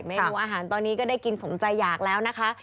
เมนูอาหารตอนนี้ก็ได้กินสมใจอยากแล้วนะคะ